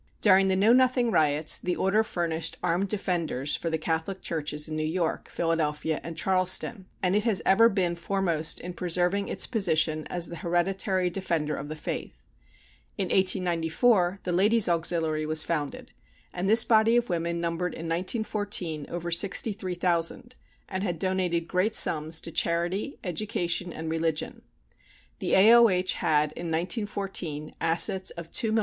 During the Know Nothing riots, the Order furnished armed defenders for the Catholic churches in New York, Philadelphia, and Charleston, and it has ever been foremost in preserving its position as the hereditary defender of the faith. In 1894, the Ladies' Auxiliary was founded, and this body of women numbered in 1914 over 63,000, and had donated great sums to charity, education, and religion. The A.O.H. had, in 1914, assets of $2,230,000.